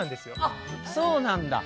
あっそうなんだ。